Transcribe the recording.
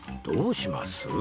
どうします？